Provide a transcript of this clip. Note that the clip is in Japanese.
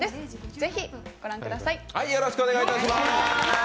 ぜひご覧ください！